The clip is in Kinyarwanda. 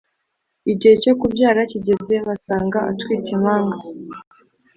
Igihe cyo kubyara kigeze basanga atwite impanga